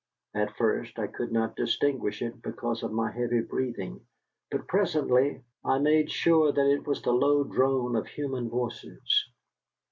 At first I could not distinguish it because of my heavy breathing, but presently I made sure that it was the low drone of human voices.